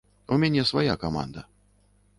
У мяне свая каманда.